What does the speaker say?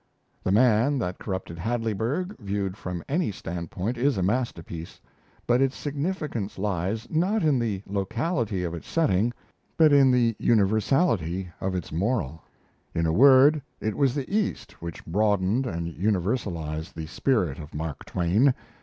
'The Man that Corrupted Hadleyburg', viewed from any standpoint, is a masterpiece; but its significance lies, not in the locality of its setting, but in the universality of its moral. In a word, it was the East which broadened and universalized the spirit of Mark Twain.